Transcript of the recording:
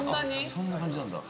そんな感じなんだ。